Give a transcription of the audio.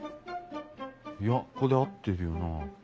いやここで合ってるよな。